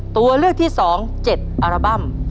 ตัวเลือกที่๒๗อัลบั้ม